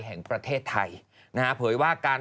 แห่งประเทศไทย